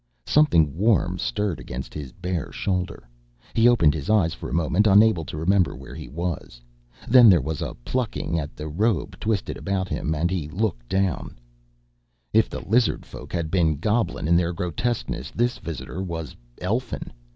Something warm stirred against his bare shoulder. He opened his eyes, for a moment unable to remember where he was. Then there was a plucking at the robe twisted about him and he looked down. If the lizard folk had been goblin in their grotesqueness this visitor was elfin.